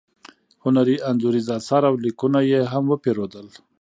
هنري انځوریز اثار او لیکونه یې هم پیرودل.